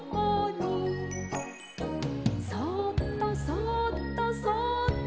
「そっとそっとそっと」